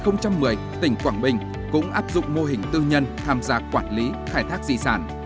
năm hai nghìn một mươi tỉnh quảng bình cũng áp dụng mô hình tư nhân tham gia quản lý khai thác di sản